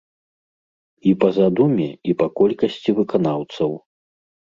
І па задуме, і па колькасці выканаўцаў.